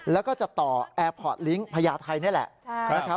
แล้วก็จะต่อแอร์พอร์ตลิ้งค์พญาไทยนี่แหละ